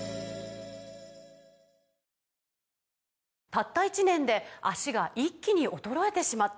「たった１年で脚が一気に衰えてしまった」